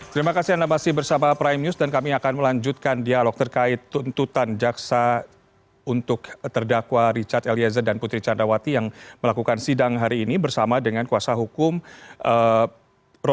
terima kasih anda masih bersama prime news dan kami akan melanjutkan dialog terkait tuntutan jaksa untuk terdakwa richard eliezer dan putri candrawati yang melakukan sidang hari ini bersama dengan kuasa hukum